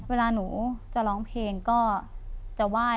เวลาหนูจะร้องเพลงก็จะไหว้